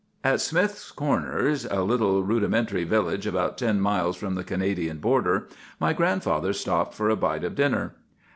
"At Smith's Corners, a little rudimentary village about ten miles from the Canadian border, my grandfather stopped for a bite of dinner.